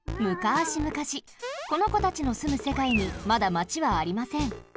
むかしむかしこのこたちのすむせかいにまだマチはありません。